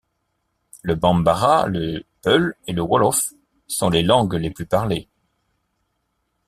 Le Bambara, le peul et le wolof sont les langues les plus parlées.